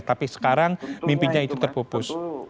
tapi sekarang mimpinya itu terpupus